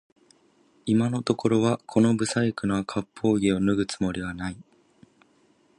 今のところはこの不細工な割烹着を脱ぐつもりはない